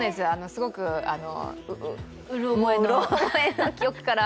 すごくうろ覚えの記憶から。